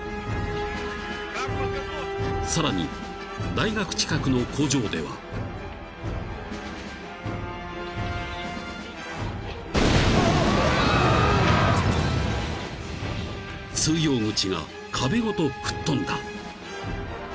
［さらに大学近くの工場では］［通用口が壁ごと吹っ飛んだ］